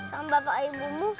sama bapak ibumu